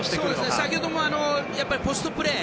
先ほどもポストプレー。